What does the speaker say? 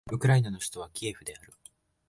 ウクライナの首都はキエフである